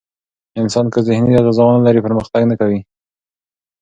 انسان که ذهني غذا ونه لري، پرمختګ نه کوي.